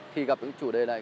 khi gặp những chủ đề này